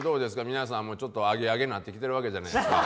皆さんもちょっとアゲアゲなってきてるわけじゃないですか。